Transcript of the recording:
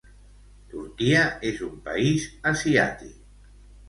Turquia és un país asiàtic.